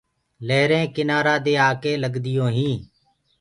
لهرينٚ ڪنآرآ دي آڪي لگديونٚ هينٚ۔